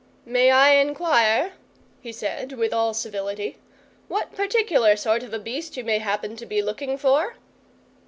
"May I inquire," he said, with all civility, "what particular sort of a Beast you may happen to be looking for?"